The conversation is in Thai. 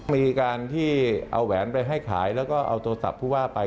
มีการที่เอาแหวนไปให้ขายแล้วก็เอาโทรศัพท์ผู้ว่าไป